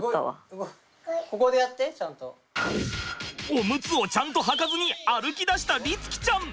オムツをちゃんとはかずに歩きだした律貴ちゃん。